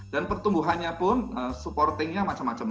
dan pertumbuhannya pun supporting nya macam macam